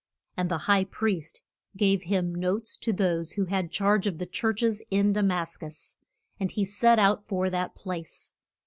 And the high priest gave him notes to those who had charge of the church es in Da mas cus, and he set out for that place.